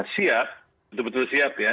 siap betul betul siap ya